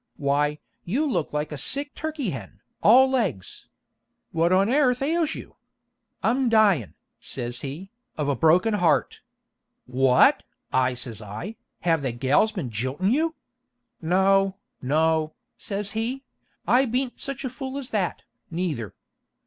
Why, you look like a sick turkey hen, all legs! What on airth ails you?' 'I'm dyin', says he, 'of a broken heart.' 'What!' I says I, 'have the gals been jiltin' you?' 'No, no,' says he; 'I beant such a fool as that, neither.'